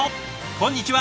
こんにちは。